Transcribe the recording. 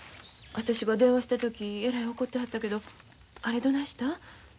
私が電話した時えらい怒ってはったけどあれどないしたん？